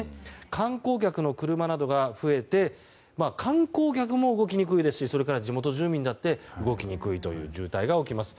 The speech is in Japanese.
観光客の車などが増えて観光客も動きにくいですしそれから地元住民だって動きにくいという渋滞が起きます。